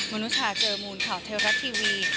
นุชาเจอมูลข่าวเทวรัฐทีวี